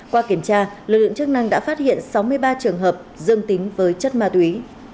qua kiểm tra lực lượng chức năng đã phát hiện sáu mươi ba trường hợp dương tính với chất ma túy